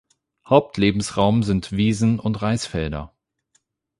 Hauptlebensraum sind Wiesen und Reisfelder.